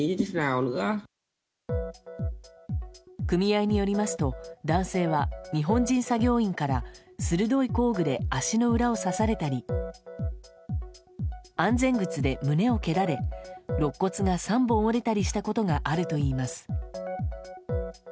組合によりますと、男性は日本人作業員から鋭い工具で足の裏を刺されたり安全靴で胸を蹴られ肋骨が３本折れたりしたことがあるといいます。